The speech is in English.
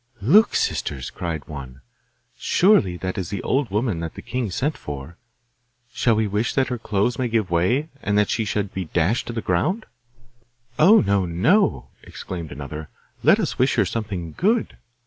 'Look, sisters,' cried one, 'surely that is the old woman that the king sent for. Shall we wish that her clothes may give way, and that she should be dashed to the ground?' 'Oh no! no!' exclaimed another. 'Let us wish her something good.